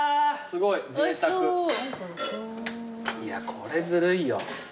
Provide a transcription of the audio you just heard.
これずるいよ。